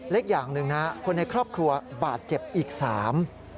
อีกอย่างหนึ่งนะคนในครอบครัวบาดเจ็บอีกสาม